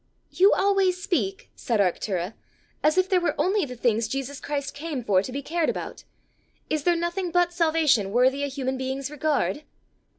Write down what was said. "You always speak," said Arctura, "as if there were only the things Jesus Christ came for to be cared about: is there nothing but salvation worthy a human being's regard?"